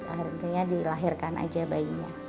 akhirnya dilahirkan aja bayinya